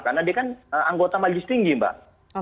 karena dia kan anggota majlis tinggi mbak